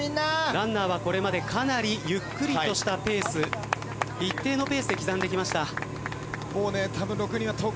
ランナーはこれまでかなりゆっくりとしたペース一定のペースで刻んできました。